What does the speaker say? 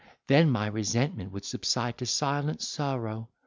Then my resentment would subside to silent sorrow.